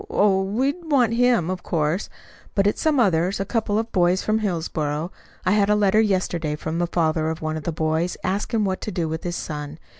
Oh, we'd want him, of course; but it's some others a couple of boys from Hillsboro. I had a letter yesterday from the father of one of the boys, asking what to do with his son.